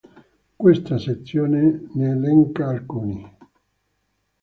Questa sezione ne elenca alcuni.